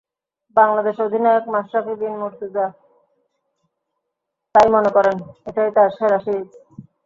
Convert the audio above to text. বাংলাদেশ অধিনায়ক মাশরাফি বিন মুর্তজা তাই মনে করেন, এটাই তাঁর সেরা সিরিজ।